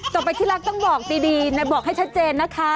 ต่อไปที่รักต้องบอกดีบอกให้ชัดเจนนะคะ